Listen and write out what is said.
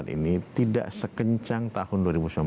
ini tidak sekencang tahun